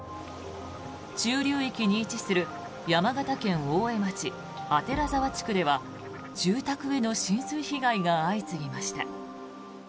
中流域に位置する山形県大江町左沢地区では住宅への浸水被害が相次ぎました。